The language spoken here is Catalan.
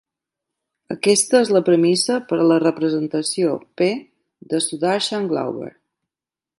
Aquesta és la premissa per a la representació P de Sudarshan-Glauber.